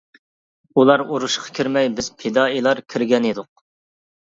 ئۇلار ئۇرۇشقا كىرمەي بىز پىدائىيلار كىرگەنىدۇق.